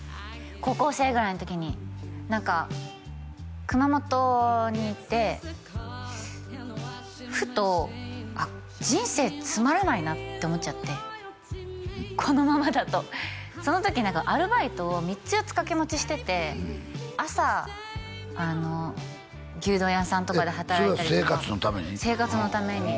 高校生ぐらいの時に何か熊本にいてふと「人生つまらないな」って思っちゃってこのままだとその時アルバイトを３つ４つ掛け持ちしてて朝牛丼屋さんとかで働いたりとかそれは生活のために？